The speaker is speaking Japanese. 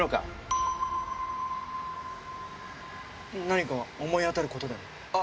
何か思い当たることでも？